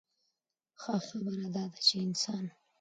ښۀ خبره دا ده چې انسان